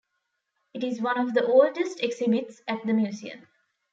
It is one of the oldest exhibits at the museum.